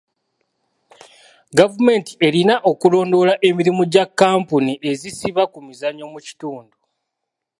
Gavumenti erina okulondoola emirimu gya kampuni ezisiba ku mizannyo mu kitundu.